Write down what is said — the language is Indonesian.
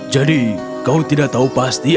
jadi kau tidak tahu pasti apa yang terjadi